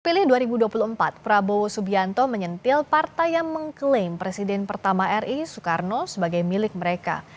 pada dua ribu dua puluh empat prabowo subianto menyentil partai yang mengklaim presiden pertama ri soekarno sebagai milik mereka